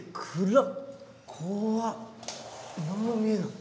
何も見えない。